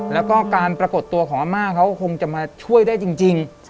แล้วก็การปรากฏตัวของอาม่าเขาคงจะมาช่วยได้จริง